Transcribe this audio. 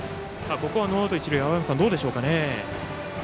ここはノーアウト、一塁ですが青山さん、どうでしょうかね。